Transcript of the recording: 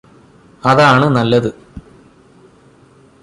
അതാണ് നല്ലത്